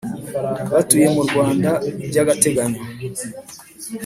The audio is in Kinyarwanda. Batuye mu Rwanda by’ agateganyo